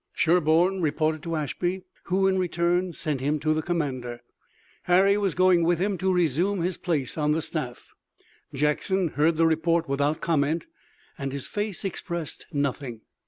Sherburne reported to Ashby who in return sent him to the commander, Harry going with him to resume his place on the staff. Jackson heard the report without comment and his face expressed nothing.